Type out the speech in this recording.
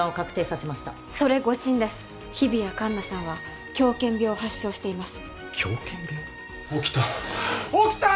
はい。